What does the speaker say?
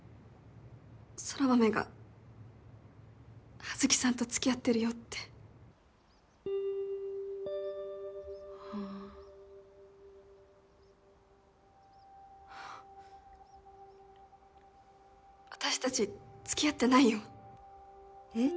空豆が葉月さんとつきあってるよってはあ私たちつきあってないよえっ？